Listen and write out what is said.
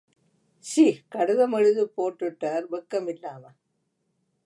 சீ, கடிதம் எழுதிப்போட்டுட்டார் வெக்கமிலாமே!